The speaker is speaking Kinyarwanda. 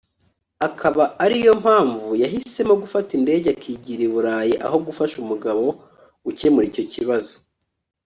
akaba ariyo mpamvu yahisemo gufata indege akigira i Burayi aho gufasha umugabo gukemura icyo kibazo